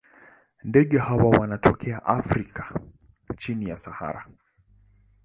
Ndege hawa wanatokea Afrika chini ya Sahara.